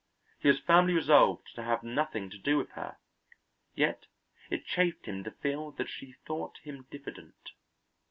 He was firmly resolved to have nothing to do with her, yet it chafed him to feel that she thought him diffident.